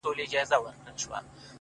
داسي دي سترگي زما غمونه د زړگي ورانوي؛